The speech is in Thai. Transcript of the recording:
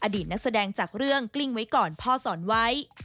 อดีตนักแสดงจากเรื่องกลิ้งไว้ก่อนพ่อสอนไว้